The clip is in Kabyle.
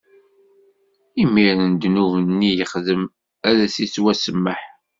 Imiren ddnub-nni yexdem ad s-ittwasemmeḥ.